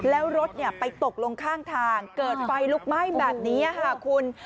แล้วรถไปตกลงข้างทางเกิดไฟลุกไหม้แบบนี้ค่ะคุณ